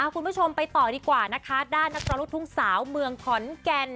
คุณผู้ชมไปต่อดีกว่านะคะด้านนักร้องลูกทุ่งสาวเมืองขอนแก่น